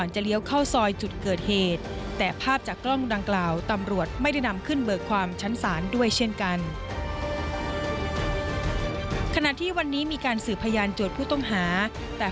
ขณะที่วันนี้มีการสืบพยานโจทย์ผู้ต้องหาแต่